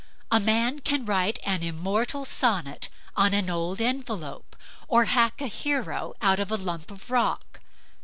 A man can write an immortal sonnet on an old envelope, or hack a hero out of a lump of rock.